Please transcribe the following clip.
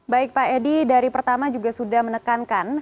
baik pak edi dari pertama juga sudah menekankan